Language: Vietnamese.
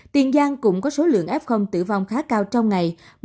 tiền giang cũng có số lượng f tử vong khá cao trong ngày